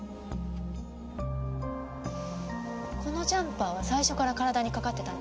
このジャンパーは最初から体にかかってたの？